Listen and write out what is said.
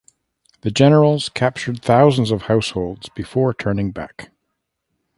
The generals captured thousands of households before turning back.